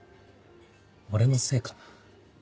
俺のせいかな。